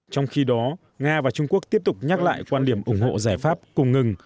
trong khi đó nga và trung quốc tiếp tục nhắc lại quan điểm ủng hộ giải pháp cùng ngừng